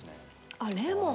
あっレモン！